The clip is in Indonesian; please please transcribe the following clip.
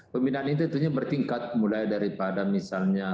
pembinaan itu tentunya bertingkat mulai daripada misalnya